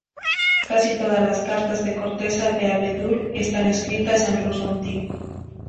Casi todas las cartas de corteza de abedul están escritas en ruso antiguo.